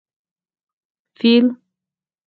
🐘 فېل